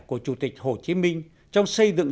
của chủ tịch hồ chí minh trong xây dựng